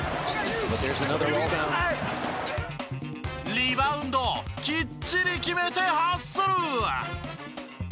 リバウンドをきっちり決めてハッスル！